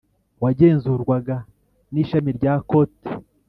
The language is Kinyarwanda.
wagenzurwaga n ishami rya Kote